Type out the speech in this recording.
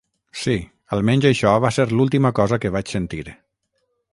Sí, almenys això va ser l'última cosa que vaig sentir.